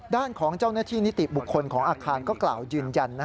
ด้านของเจ้าหน้าที่นิติบุคคลของอาคารก็กล่าวยืนยัน